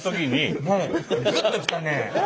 グッと来たね。